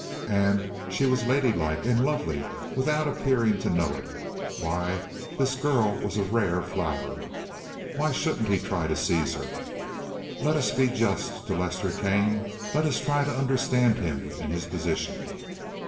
And she was lady like and lovely without appearing to know it. Why, this girl was a rare flower. Why shouldn't he try to seize her? Let us be just to Lester Kane; let us try to understand him and his position.